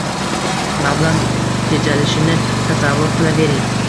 Mablag‘ tejalishini tasavvur qilavering.